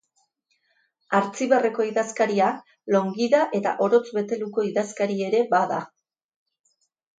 Artzibarreko idazkaria Longida eta Orotz-Beteluko idazkari ere bada.